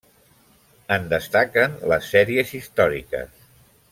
En destaquen les sèries històriques.